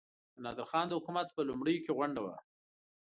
د نادرخان د حکومت په لومړیو کې غونډه وه.